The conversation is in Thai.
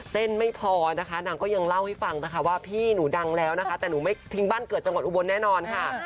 ไม่พอนะคะนางก็ยังเล่าให้ฟังนะคะว่าพี่หนูดังแล้วนะคะแต่หนูไม่ทิ้งบ้านเกิดจังหวัดอุบลแน่นอนค่ะ